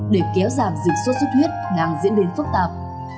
để kéo giảm dịch sốt xuất huyết đang diễn biến phức tạp